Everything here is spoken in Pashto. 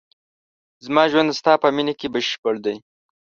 زما ژوند د ستا په مینه کې بشپړ دی.